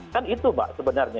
kan itu mbak sebenarnya